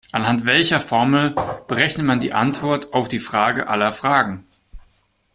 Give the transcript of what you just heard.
Anhand welcher Formel berechnet man die Antwort auf die Frage aller Fragen?